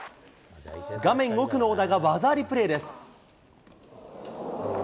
画面奥の小田が技ありプレーです。